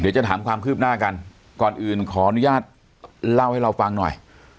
จะถามความคืบหน้ากันก่อนอื่นขออนุญาตเล่าให้เราฟังหน่อย